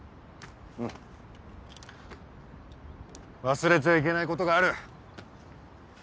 忘れちゃいけないことがある。